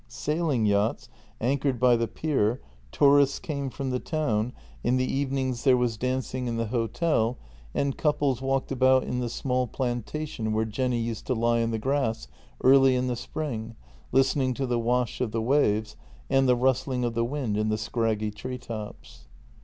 Sailing yachts anchored by the pier, tourists came from the town, in the evenings there JENNY 252 was dancing in the hotel, and couples walked about in the small plantation where Jenny used to lie in the grass early in the spring listening to the wash of the waves and the rustling of the wind in the scraggy tree tops.